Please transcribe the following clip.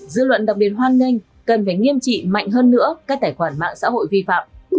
dư luận đặc biệt hoan nghênh cần phải nghiêm trị mạnh hơn nữa các tài khoản mạng xã hội vi phạm